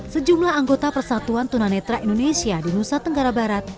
sejumlah anggota persatuan tunanetra indonesia di nusa tenggara barat